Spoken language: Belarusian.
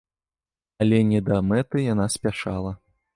Але не да мэты яна спяшала.